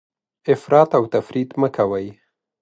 افراط او تفریط مه کوئ.